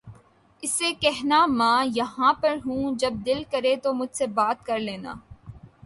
اسے کہنا ماں یہاں پر ہوں جب دل کرے تو مجھ سے بات کر لینا